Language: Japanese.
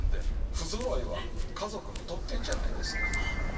不揃いは家族の特権じゃないですか。